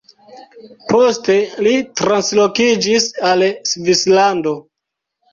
Poste li translokiĝis al Svislando.